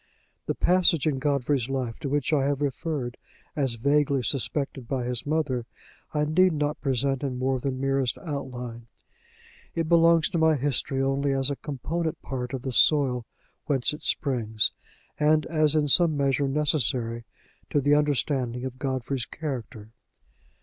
The passage in Godfrey's life to which I have referred as vaguely suspected by his mother, I need not present in more than merest outline: it belongs to my history only as a component part of the soil whence it springs, and as in some measure necessary to the understanding of Godfrey's character.